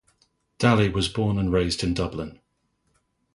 Daly was born and raised in Dublin.